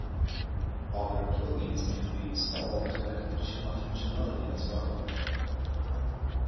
Other plugins can be installed to add additional functionality as well.